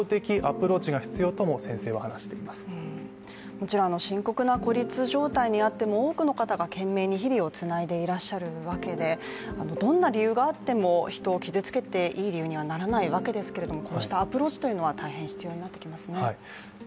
もちろん深刻な孤立状態にあっても多くの人が懸命に日々をつないでいらっしゃるわけでどんな理由があっても、人を傷つけていい理由にはならないわけですけれども、こうしたアプローチというのは大変必要になってきますね。